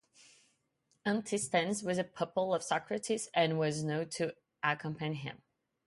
Antisthenes was a pupil of Socrates, and was known to accompany him.